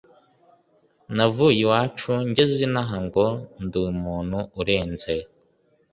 navuye iwacu ngeze inaha ngo nd’umuntu urenze